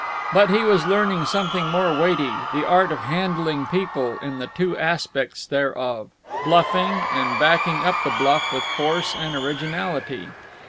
But he was learning something more weighty the art of handling people, in the two aspects thereof bluffing, and backing up the bluff with force and originality.